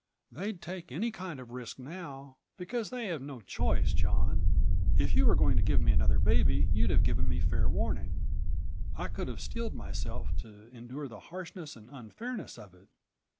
"They'd take any kind of risk now, because they have no choice. John, if you were going to give me another baby you'd have given me fair warning. I could have steeled myself to endure the harshness and unfairness of it.